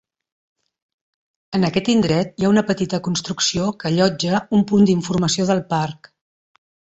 En aquest indret hi ha una petita construcció que allotja un punt d'informació del Parc.